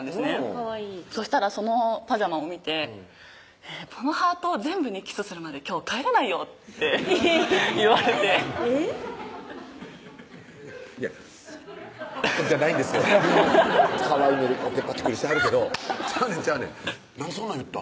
かわいいそしたらそのパジャマを見て「このハート全部にキスするまで今日帰れないよ」って言われてえぇっいやじゃないんですよかわいい目でこうやってパチクリしてはるけどちゃうねんちゃうねんなんでそんなん言ったん？